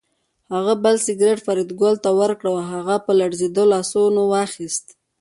هغه بل سګرټ فریدګل ته ورکړ او هغه په لړزېدلو لاسونو واخیست